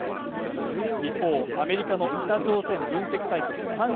一方アメリカの北朝鮮分析サイト３８